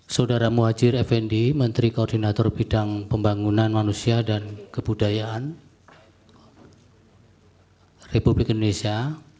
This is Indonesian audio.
saudara muhajir effendi menteri koordinator bidang pembangunan manusia dan kebudayaan republik indonesia